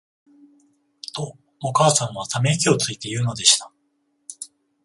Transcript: と、お母さんは溜息をついて言うのでした。